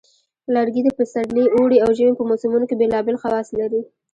لرګي د پسرلي، اوړي، او ژمي په موسمونو کې بیلابیل خواص لري.